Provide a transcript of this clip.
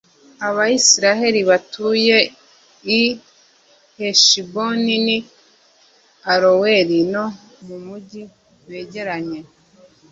abayisraheli batuye i heshiboni n'i aroweri no mu mugi byegeranye